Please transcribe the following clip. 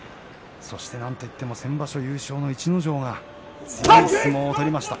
そして、なんといっても先場所優勝の逸ノ城が強い相撲を取りました。